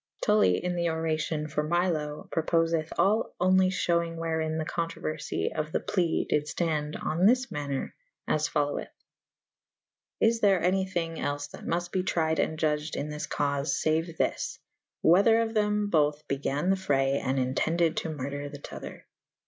Tully in the oracio« for Milo propofeth all onely fhewynge wherin the co«trouerfy of the plee dyd ftande on thys maner as ^ follyweth.^ Is there any thynge els that muft be tryed & iudged in this caufe faue this : whether of them bothe beganne the fraye & entended to murder the tother